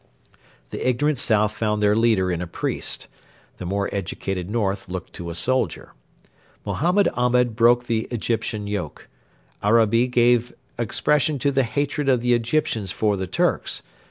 The ignorant south found their leader in a priest: the more educated north looked to a soldier. Mohammed Ahmed broke the Egyptian yoke; Arabi gave expression to the hatred of the Egyptians for the Turks.